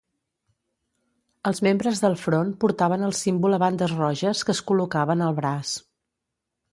Els membres del Front portaven el símbol a bandes roges que es col·locaven al braç.